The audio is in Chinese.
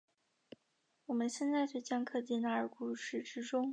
我们现在就将科技纳入故事之中。